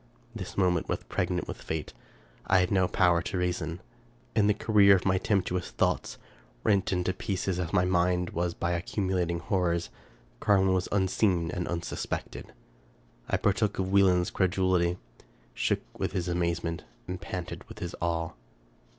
This moment was pregnant with fate. I had no power to reason. In the career of my tempestuous thoughts, rent into pieces as my mind was by accumulating horrors. Car win was unseen and unsuspected. I partook of Wieland's credulity, shook with his amazement, and panted with his awe.